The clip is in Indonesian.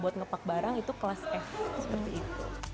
buat ngepak barang itu kelas f seperti itu